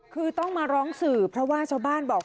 คือต้องมาร้องสื่อเพราะว่าชาวบ้านบอก